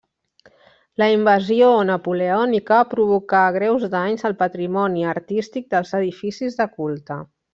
La invasió napoleònica provocà greus danys al patrimoni artístic dels edificis de culte.